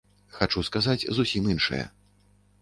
Хачу сказаць зусім іншае.